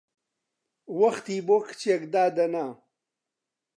وەختی بۆ کچێک دادەنا!